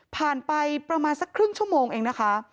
ผ่านไปประมาณสักครึ่งชั่วโมงเองนะคะ